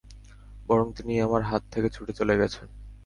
বরং তিনি আমার হাত থেকে ছুটে চলে গেছেন।